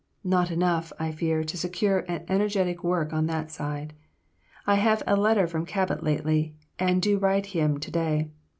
Not enough, I fear, to secure an energetic work on that side. I have a letter from Cabot lately and do write him to day.